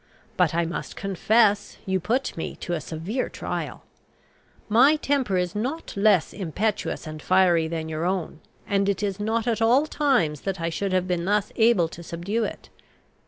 But I must confess, you put me to a severe trial. My temper is not less impetuous and fiery than your own, and it is not at all times that I should have been thus able to subdue it.